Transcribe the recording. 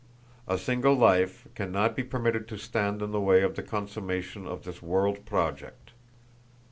A single life can not be permitted to stand in the way of the consummation of this world project.